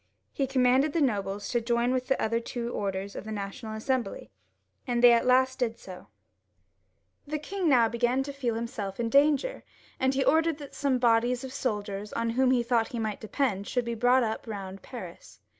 He commanded the nobles to join with the other two orders in the National Assembly, and they at last did so. XLVliJ LOUIS XVL 383 The king now began to feel himself in danger, and he ordered that some bodies of soldiers on whom he thought he might depend, should be brought up round Paris.